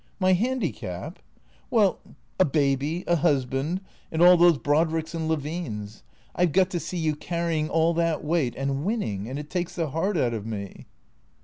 " My handicap ?"" Well — a baby, a husband, and all those Brodricks and Levines. I 've got to see you carrying all that weight, and winning; and it takes the heart out of me."